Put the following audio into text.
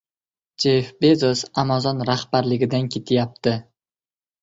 Jeff Bezos Amazon rahbarligidan ketyapti